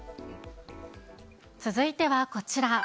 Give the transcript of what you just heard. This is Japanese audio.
続いてはこちら。